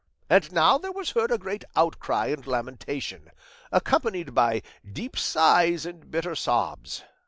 "And now there was heard a great outcry and lamentation, accompanied by deep sighs and bitter sobs.